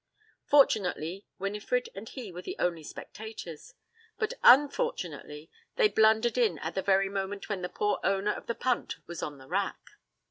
Fortunately, Winifred and he were the only spectators; but unfortunately they blundered in at the very moment when the poor owner of the punt was on the rack.